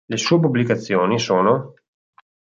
Le sue pubblicazioni sono